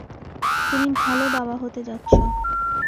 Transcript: তুমি ভালো বাবা হতে যাচ্ছ।